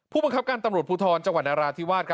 ผู้บังคับการตำรวจภูทรจังหวัดนราธิวาส